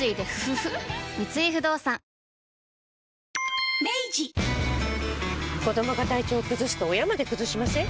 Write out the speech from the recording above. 三井不動産子どもが体調崩すと親まで崩しません？